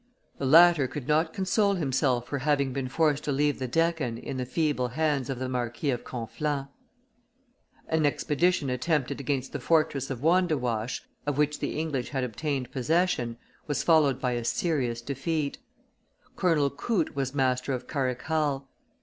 The latter could not console himself for having been forced to leave the Deccan in the feeble bands of the Marquis of Conflans. An expedition attempted against the fortress of Wandiwash, of which the English had obtained possession, was followed by a serious defeat; Colonel Coote was master of Karikal.